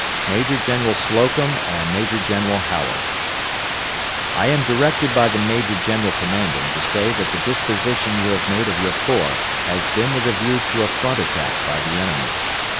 MAJOR GENERAL SLOCUM AND MAJOR GENERAL HOWARD: I am directed by the Major General Commanding to say that the disposition you have made of your corps has been with a view to a front attack by the enemy.